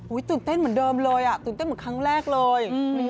ตื่นเต้นเหมือนเดิมเลยอ่ะตื่นเต้นเหมือนครั้งแรกเลย